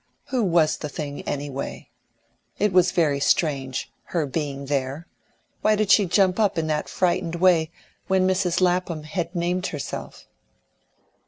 Who was the thing, anyway? It was very strange, her being there; why did she jump up in that frightened way when Mrs. Lapham had named herself?